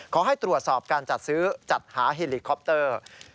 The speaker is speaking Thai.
ขอให้ตรวจสอบการจัดซื้อจัดหาเฮลิคอปเตอร์